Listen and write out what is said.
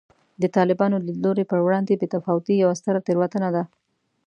د طالباني لیدلوري پر وړاندې بې تفاوتي یوه ستره تېروتنه ده